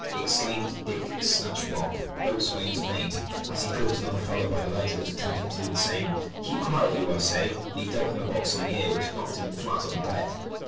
exclaimed Dick Snatchblock, the boatswain's mate, as he caught another fellow by the leg who was attempting to do the same. "Keep quiet you, I say," and he dealt him a box on the ears which knocked him flat on the deck.